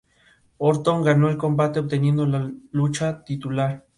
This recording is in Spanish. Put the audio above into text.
Él es parte de la versión de Genosha de los Merodeadores.